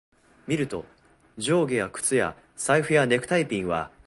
見ると、上着や靴や財布やネクタイピンは、